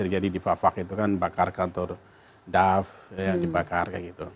jadi di fafak itu kan bakar kantor daf yang dibakar